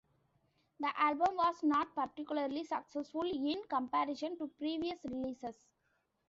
The album was not particularly successful in comparison to previous releases.